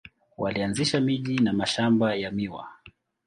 Walianzisha miji na mashamba ya miwa.